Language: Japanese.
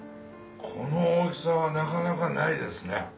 この大きさはなかなかないですね。